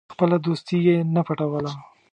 خپله دوستي یې نه پټوله.